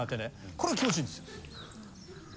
これが気持ちいいんですよ。